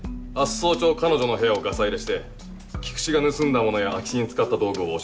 早朝彼女の部屋をガサ入れして菊池が盗んだものや空き巣に使った道具を押収する。